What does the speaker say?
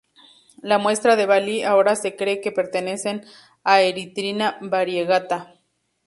La muestra de Bali ahora se cree que pertenecen a "Erythrina variegata".